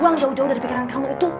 uang jauh jauh dari pikiran kamu itu